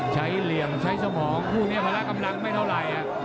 เหลี่ยมใช้สมองคู่นี้พละกำลังไม่เท่าไหร่